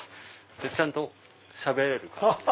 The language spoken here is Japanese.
ちゃんとしゃべれる。